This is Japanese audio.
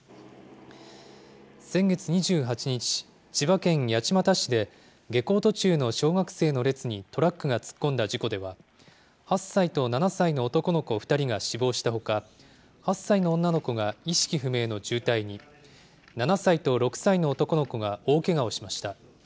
先月２８日、千葉県八街市で下校途中の小学生の列にトラックが突っ込んだ事故では、８歳と７歳の男の子２人が死亡したほか、８歳の女の子が意識不明の重体に、７歳の６歳の男の子が大けがをしました。